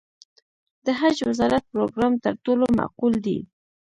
د حج وزارت پروګرام تر ټولو معقول دی.